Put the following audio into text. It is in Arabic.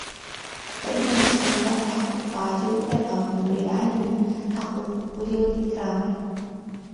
فَإِنَّ لِلسُّلْطَانِ حَقَّ الطَّاعَةِ وَالْإِعْظَامِ ، وَلِلْعَالِمِ حَقَّ الْقَبُولِ وَالْإِكْرَامِ